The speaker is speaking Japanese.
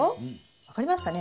分かりますかね？